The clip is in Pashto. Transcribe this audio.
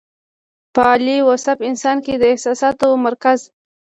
پۀ عالي وصف انسان کې د احساساتي مرکز